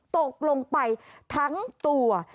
ตกลงไปทั้งตัว